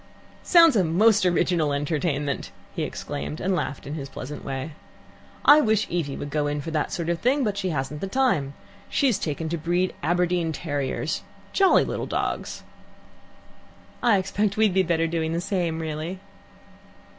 "Sounds a most original entertainment!" he exclaimed, and laughed in his pleasant way. "I wish Evie would go to that sort of thing. But she hasn't the time. She's taken to breed Aberdeen terriers jolly little dogs. "I expect we'd better be doing the same, really."